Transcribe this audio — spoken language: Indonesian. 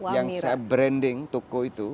yang saya branding toko itu